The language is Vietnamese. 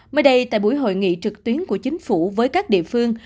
mới đây tại buổi hội nghị trực tuyến của chính phủ với các địa phương